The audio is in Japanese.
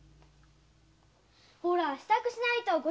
ほら支度しないと！